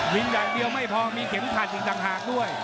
วิ่งแหลมเดียวไม่พอมีเข็มขัดอยู่ทางหากด้วย